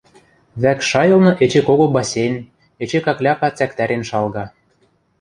Вӓкш шайылны эче кого бассейн, эче какляка цӓктӓрен шалга.